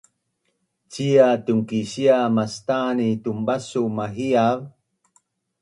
Cia tunkisia mastan ni tunbasu mahiav?